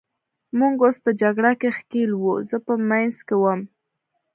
موږ اوس په جګړه کې ښکېل وو، زه په منځ کې وم.